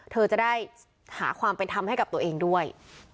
เธอจะได้หาความเป็นธรรมให้กับตัวเองด้วย